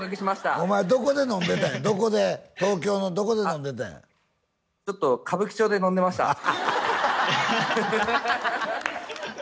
お前どこで飲んでたんや東京のどこで飲んでたんやちょっと歌舞伎町で飲んでましたアッハハハハハ！